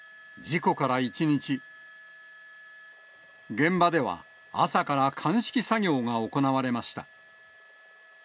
事故から１日、現場では朝から鑑識作業が行われました。